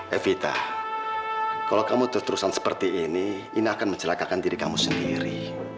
evita kalau kamu terus terusan seperti ini ini akan mencelakakan diri kamu sendiri